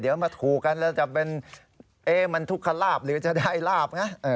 เดี๋ยวมาถูกกันแล้วจะเป็นมันทุกขลาบหรือจะได้ลาบไง